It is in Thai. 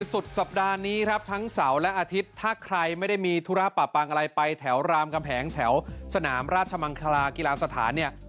สุดสัปดาห์นี้ครับทั้งเสาร์และอาทิตย์ถ้าใครไม่ได้มีธุระปะปางอะไรไปแถวรามกำแหงแถวสนามราชมังคลากีฬาสถานเนี่ย